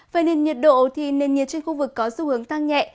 về nền nhiệt độ thì nền nhiệt trên khu vực có xu hướng tăng nhẹ